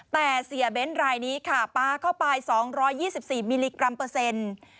แต่เสียเบ้นรายนี้ค่ะปลาเข้าไป๒๒๔มิลลิกรัมเปอร์เซ็นต์